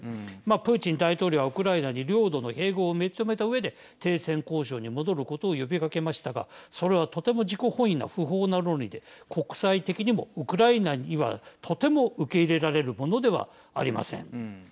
プーチン大統領は、ウクライナに領土の併合を認めたうえで停戦交渉に戻ることを呼びかけましたがそれはとても自己本位な不法な論理で国際的にも、ウクライナにはとても受け入れられるものではありません。